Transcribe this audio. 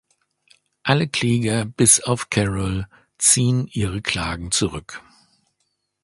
Alle Kläger bis auf Carole ziehen ihre Klagen zurück.